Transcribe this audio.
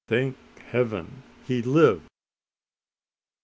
Thank Heaven! he lived!